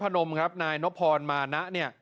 จังหวันนครพนมครับนายนพรมานะ